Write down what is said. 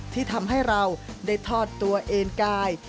ที่ทำให้เราได้ทอดตัวเองกาย